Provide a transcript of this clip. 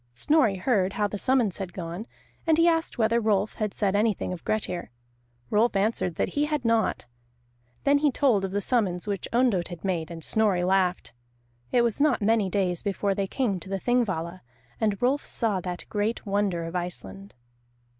Snorri heard how the summons had gone, and he asked whether Rolf had said anything of Grettir. Rolf answered that he had not. Then he told of the summons which Ondott had made, and Snorri laughed. It was not many days before they came to the Thingvalla, and Rolf saw that great wonder of Iceland.